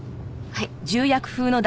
はい。